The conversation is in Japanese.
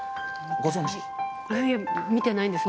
ご存じですか？